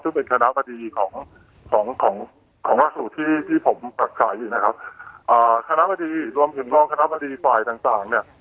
ซึ่งเป็นคณะบดีของสูตรที่ผมใส่นะครับคณะบดีรวมถึงรองคณะบดีฝ่ายต่างเนี่ย